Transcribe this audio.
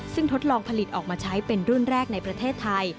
ซึ่งทดลองผลิตออกมาใช้เป็นรุ่นแรกในประเทศไทย